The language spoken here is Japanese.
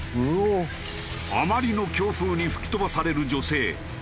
あまりの強風に吹き飛ばされる女性。